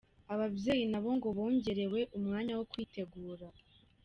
Ababyeyi nabo ngo bongerewe umwanya wo kwitegura.